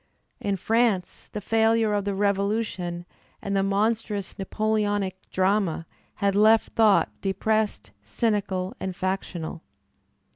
In France the failure of the Revolution and the monstrous Napoleonic drama had left thought de pressed, cynical and factional.